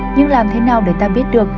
nhưng làm thế nào để ta biết được